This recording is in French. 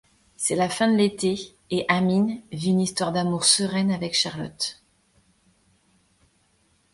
C'est la fin de l'été et Amin vit une histoire d'amour sereine avec Charlotte.